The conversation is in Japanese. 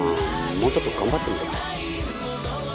もうちょっと頑張ってみるわ。